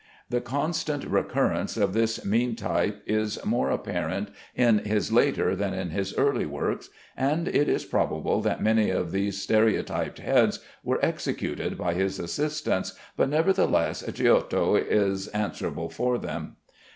The constant recurrence of this mean type is more apparent in his later than in his early works, and it is probable that many of these stereotyped heads were executed by his assistants, but nevertheless Giotto is answerable for them.